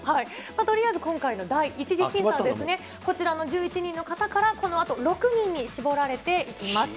とりあえず今回の第１次審査は、こちらの１１人の方から、このあと６人に絞られていきます。